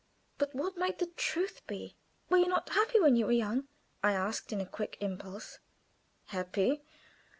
But what might the truth be? "Were you not happy when you were young?" I asked, on a quick impulse. "Happy!